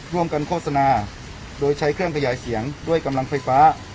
โฆษณาโดยใช้เครื่องขยายเสียงด้วยกำลังไฟฟ้า